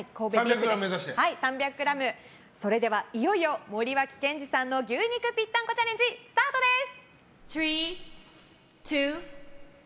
いよいよ、森脇健児さんの牛肉ぴったんこチャレンジスタートです。